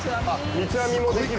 三つ編みもできる？